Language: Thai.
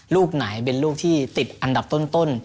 ลูกไหนเป็นลูกที่ติดอันดับต้น